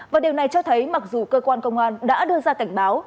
và điều này cho thấy mặc dù cơ quan công an đã đưa ra cảnh báo